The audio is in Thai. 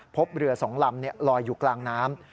พบเรือ๒ลำลอยอยู่กลางน้ำ